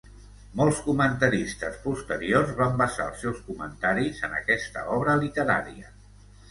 Molts comentaristes posteriors van basar els seus comentaris en aquesta obra literària.